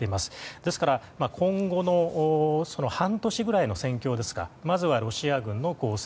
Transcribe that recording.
ですから、今後の半年ぐらいの戦況ですかまずはロシア軍の攻勢。